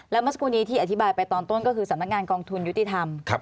แล้วเมื่อสักครู่นี้ที่อธิบายไปตอนต้นก็คือสำนักงานกองทุนยุติธรรม